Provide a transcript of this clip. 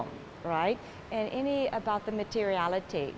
dan ini tentang materialitas